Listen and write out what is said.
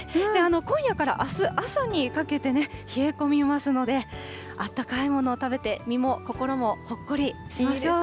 今夜からあす朝にかけて冷え込みますので、あったかいものを食べて、身も心もほっこりしましょう。